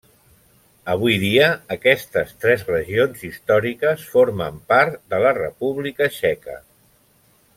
Avui dia aquestes tres regions històriques formen part de la República Txeca.